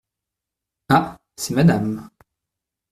Ah ! c’est madame…